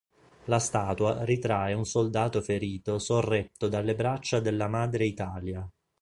La statua ritrae un soldato ferito sorretto dalle braccia della madre Italia.